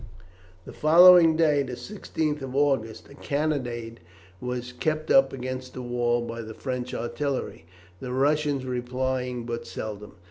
The following day, the 16th of August, a cannonade was kept up against the walls by the French artillery, the Russians replying but seldom.